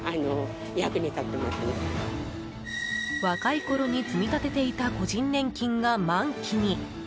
若いころに積み立てていた個人年金が満期に。